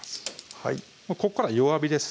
はいここから弱火です